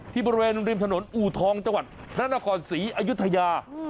ที่บริเวณริมถนนอู่ทองจังหวัดนานกรศรีอายุทยา